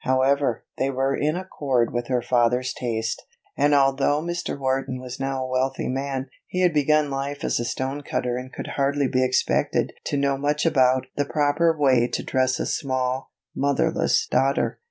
However, they were in accord with her father's taste, and although Mr. Wharton was now a wealthy man, he had begun life as a stone cutter and could hardly be expected to know much about the proper way to dress a small, motherless daughter.